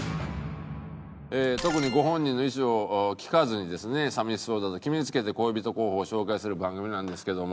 特にご本人の意思を聞かずにですね寂しそうだと決めつけて恋人候補を紹介する番組なんですけども。